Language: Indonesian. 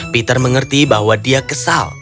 peter mengerti bahwa dia kesal